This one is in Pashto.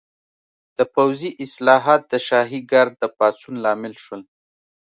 د پوځي اصلاحات د شاهي ګارډ د پاڅون لامل شول.